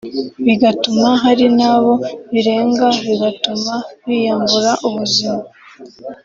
bigatuma hari n’abo birenga bigatuma biyambura ubuzima